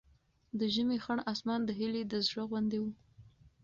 د ژمي خړ اسمان د هیلې د زړه غوندې و.